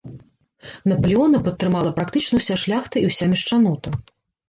Напалеона падтрымала практычна ўся шляхта і ўся мешчанота.